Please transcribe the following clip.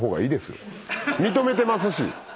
認めてますし。